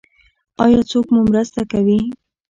ایا څوک مو مرسته کوي؟